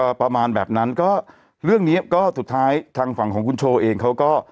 ประมาณแบบนั้นก็เรื่องนี้ก็สุดท้ายทางฝั่งของคุณโชว์เองเขาก็